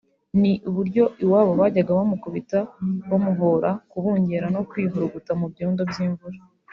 ni uburyo iwabo bajyaga bamukubita bamuhora kubungera no kwivuruguta mu byondo by’imvura